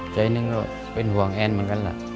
ใจหนึ่งก็เป็นห่วงแอนเหมือนกันล่ะ